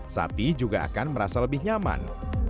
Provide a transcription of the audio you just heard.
sapi juga akan merasa lebih nyaman